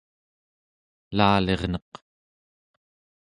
elalirneq